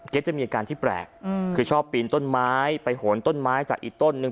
จะมีอาการที่แปลกคือชอบปีนต้นไม้ไปโหนต้นไม้จากอีกต้นนึง